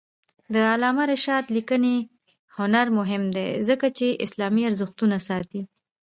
د علامه رشاد لیکنی هنر مهم دی ځکه چې اسلامي ارزښتونه ساتي.